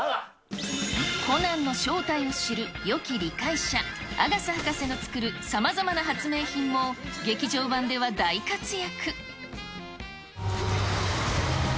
コナンの正体を知るよき理解者、阿笠博士の作るさまざまな発明品も、劇場版では大活躍。